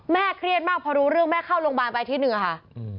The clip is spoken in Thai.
เครียดมากพอรู้เรื่องแม่เข้าโรงพยาบาลไปที่หนึ่งอะค่ะ